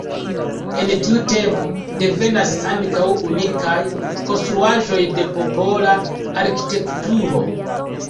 El tiu tempo devenas ankaŭ unikaj konstruaĵoj de popola arkitekturo.